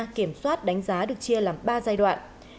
công tác kiểm soát đánh giá được chia làm ba giai đoạn